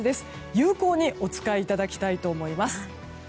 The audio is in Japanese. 有効にお使いいただきたいと思います。